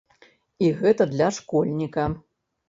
І гэта для школьніка!